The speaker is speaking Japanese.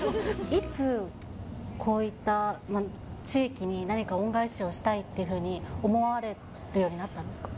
いつ、こういった地域に、何か恩返しをしたいっていうふうに思われるようになったんですか？